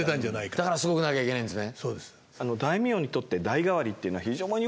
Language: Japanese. だからすごくなきゃいけないんですね。